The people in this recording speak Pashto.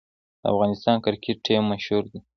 د افغانستان کرکټ ټیم مشهور دی